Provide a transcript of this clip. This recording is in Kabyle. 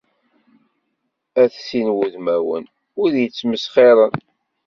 At sin n wudmawen, wid yettmesxiren.